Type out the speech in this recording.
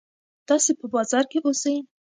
تاسې په بازار کې اوسئ.